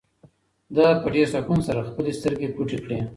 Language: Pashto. ده په ډېر سکون سره خپلې سترګې پټې کړې.